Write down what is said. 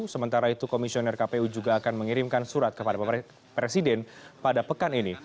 sementara itu komisioner kpu juga akan mengirimkan surat kepada presiden pada pekan ini